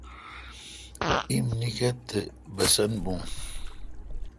ایم نیکتھ تے باسن بھو۔